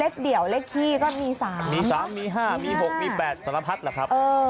เลขเดี่ยวเลขขี้ก็มีสามมีสามมีห้ามีหกมีแปดสำหรับพัดเหรอครับเออ